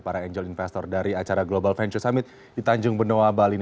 para angel investor dari acara global venture summit di tanjung benoa bali ini